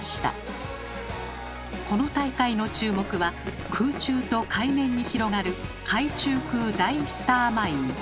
この大会の注目は空中と海面に広がる「海中空大スターマイン」。